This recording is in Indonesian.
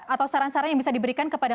atau saran saran yang bisa diberikan kepada